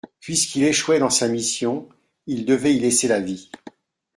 Puisqu’il échouait dans sa mission, il devait y laisser la vie.